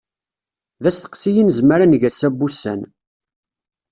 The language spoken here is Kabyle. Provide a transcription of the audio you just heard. D asteqsi i nezmer ad neg ass-a n wussan.